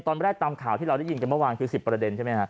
ตอนแรกตามข่าวที่เราได้ยินจังเมื่อวาน๑๐ประเด็น